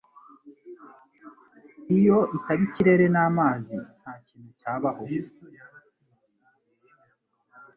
Iyo itaba ikirere n'amazi ntakintu cyabaho